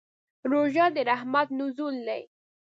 روژه د رحمت نزول دی.